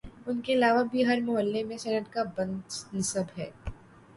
ان کے علاوہ بھی ہر محلے میں سینٹ کا بت نصب ہے